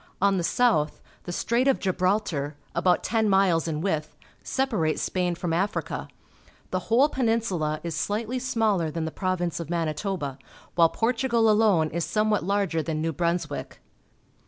On the south the Strait of Gibraltar, about ten miles in width, separates Spain from Africa. The whole Peninsula is slightly smaller than the Province of Manitoba, while Portugal alone is somewhat larger than New Brunswick.